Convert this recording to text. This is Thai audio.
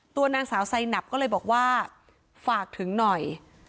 ตัวนางสาวไซนับก็เลยบอกว่าฝากถึงหน่อย